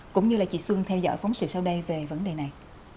cũng như là chị xuân theo dõi phóng sự sau đây về vấn đề này